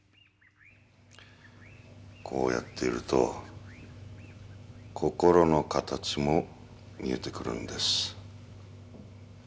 こうやっていると心の形も見えてくるんです。